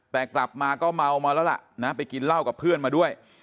แต่กลับมาก็เมามาแล้วล่ะนะไปกินเหล้ากับเพื่อนมาด้วย